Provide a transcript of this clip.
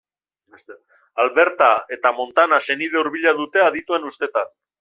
Alberta eta Montana senide hurbila dute adituen ustetan.